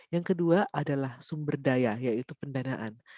yang kedua adalah sumber daya yaitu pendanaan